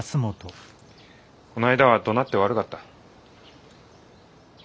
この間はどなって悪かった。